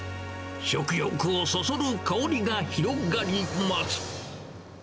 食欲をそそる香りが広がります。